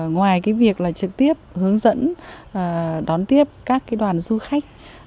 ngoài việc là trực tiếp hướng dẫn đón tiếp các đoàn du khách